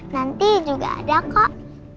nanti juga ada kok